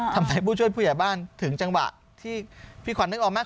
ผู้ช่วยผู้ใหญ่บ้านถึงจังหวะที่พี่ขวัญนึกออกไหม